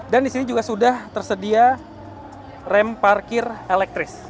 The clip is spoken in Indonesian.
dan di sini juga sudah tersedia rem parkir elektris